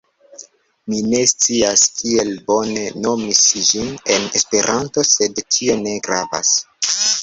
Mi ne scias kiel bone nomi ĝin en Esperanto, sed tio ne gravas.